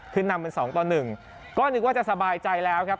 ขึ้นนำเป็น๒ต่อ๑ก็นึกว่าจะสบายใจแล้วครับ